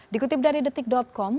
dikutip dari detik com